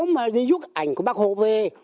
mà di dút ảnh của bác hồ về